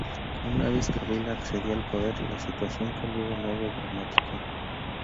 Una vez Kabila accedió al poder, la situación cambió de modo dramático.